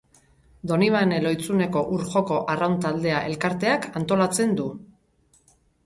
Donibane Lohizuneko Ur Joko Arraun Taldea elkarteak antolatzen du.